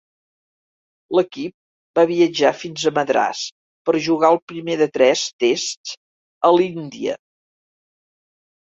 L'equip va viatjar fins a Madràs per jugar el primer de tres "tests" a l'Índia.